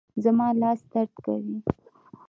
زما لاس درد کوي